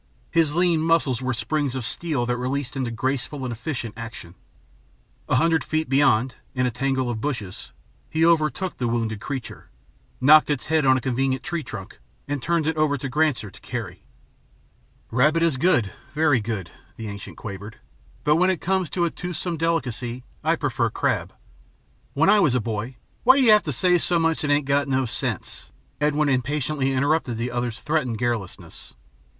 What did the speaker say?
His lean muscles were springs of steel that released into graceful and efficient action. A hundred feet beyond, in a tangle of bushes, he overtook the wounded creature, knocked its head on a convenient tree trunk, and turned it over to Granser to carry. [Illustration: Rabbit is good, very good 026] "Rabbit is good, very good," the ancient quavered, "but when it comes to a toothsome delicacy I prefer crab. When I was a boy " "Why do you say so much that ain't got no sense?" Edwin impatiently interrupted the other's threatened garrulousness.